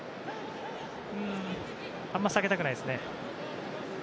あまり下げたくないですね。